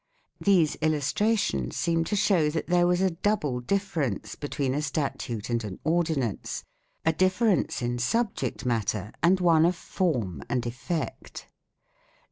4 These illustrations seem to show that there was a double difference between a statute and an ordinance a difference in subject matter, and one of form and effect.